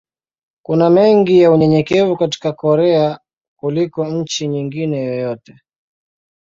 Kuna mengi ya unyenyekevu katika Korea kuliko nchi nyingine yoyote.